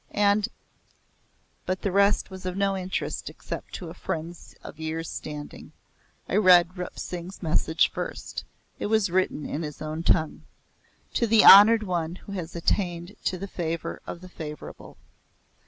And " But the rest was of no interest except to a friend of years' standing. I read Rup Singh's message first. It was written in his own tongue. "To the Honoured One who has attained to the favour of the Favourable.